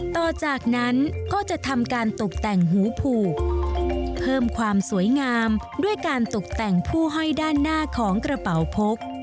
ต่อจากนั้นก็จะทำการตกแต่งหูผูกเพิ่มความสวยงามด้วยการตกแต่งผู้ห้อยด้านหน้าของกระเป๋าพก